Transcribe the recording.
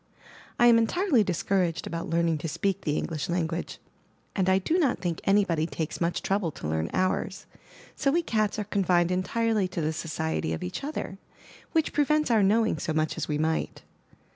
I am entirely discouraged about learn ing to speak the English language, and I do not think anybody takes much trouble to learn ours; so we cats are confined entirely to the society of each other, which prevents our knowing so much as we might.